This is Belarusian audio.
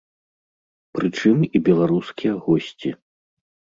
Прычым і беларускія госці.